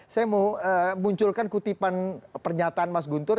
saya mau munculkan kutipan pernyataan mas guntur